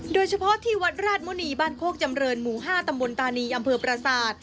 โดยเฉพาะที่วัดราชมุณีบ้านโคกจำเรินหมู่๕ตำบลตานีอำเภอประสาท